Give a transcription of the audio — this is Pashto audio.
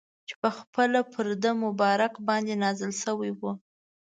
چي پخپله پر ده مبارک باندي نازل سوی وو.